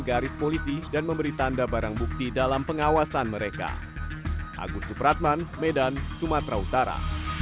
garis polisi dan memberi tanda barang bukti dalam pengawasan mereka agus supratman medan sumatera utara